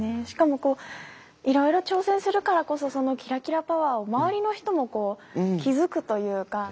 しかもいろいろ挑戦するからこそそのキラキラパワーを周りの人も気付くというか。